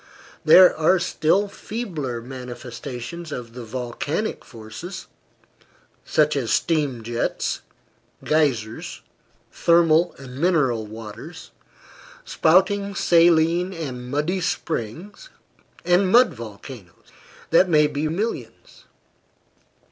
There are still feebler manifestations of the volcanic forces such as steam jets, geysers, thermal and mineral waters, spouting saline and muddy springs, and mud volcanoes that may be reckoned by millions.